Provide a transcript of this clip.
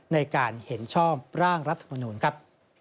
ในการเห็นชอบร่างรัฐมนูลครับ